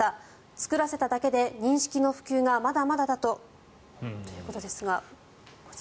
作らせただけで認識の普及がまだまだだとということですが。